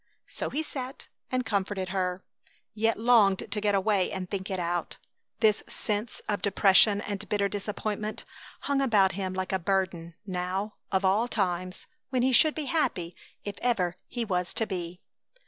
So he sat and comforted her, yet longed to get away and think it out. This sense of depression and bitter disappointment hung about him like a burden; now, of all times, when he should be happy if ever he was to be!